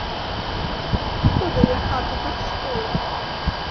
Хто дае хаты пад школы?